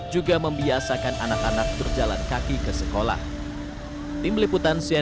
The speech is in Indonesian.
juga membiasakan anak anak berjalan kaki ke sekolah